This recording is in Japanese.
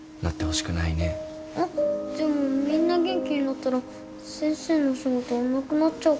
あっでもみんな元気になったら先生のお仕事なくなっちゃうか。